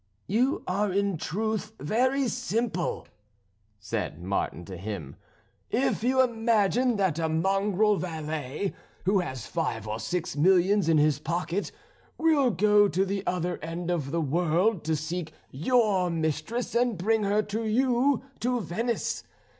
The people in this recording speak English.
"You are in truth very simple," said Martin to him, "if you imagine that a mongrel valet, who has five or six millions in his pocket, will go to the other end of the world to seek your mistress and bring her to you to Venice.